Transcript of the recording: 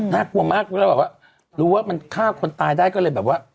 น่ากลัวมากรู้ว่ามันฆ่าคนตายได้ก็เลยแบบว่า